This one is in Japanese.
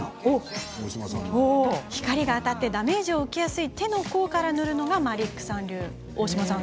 光が当たりダメージを受けやすい手の甲から塗るのがマリックさん流。